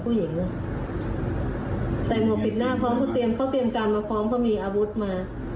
ผู้หญิงด้วยใส่หมวปิดหน้าพร้อมเขาเตรียมเขาเตรียมจำ